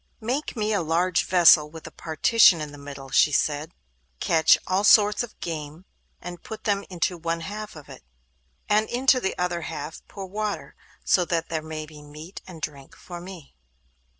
'Make me a large vessel with a partition in the middle,' she said; 'catch all sorts of game, and put them into one half of it, and into the other half pour water; so that there may be meat and drink for me.